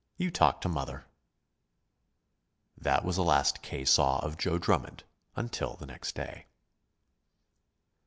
You talk to mother." That was the last K. saw of Joe Drummond until the next day.